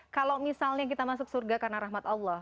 kalau misalnya kita masuk surga karena rahmat allah